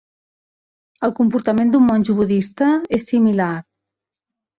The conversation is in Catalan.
El comportament d'un monjo budista és similar.